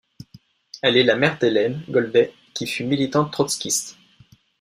Elle est la mère d'Hélène Goldet, qui fut militante trotskiste.